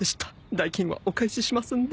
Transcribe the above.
代金はお返ししますんで。